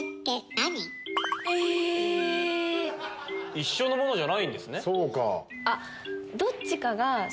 一緒のものじゃないんですね。